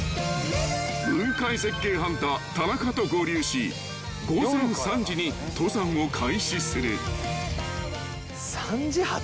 ［雲海絶景ハンター田中と合流し午前３時に登山を開始する］